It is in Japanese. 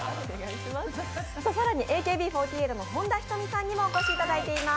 更にＡＫＢ４８の本田仁美さんにもお越しいただいています。